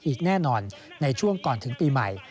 อีกแน่นอนในช่วงก่อนถึงปีใหม่